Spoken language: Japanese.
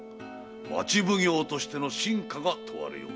町奉行としての真価が問われよう。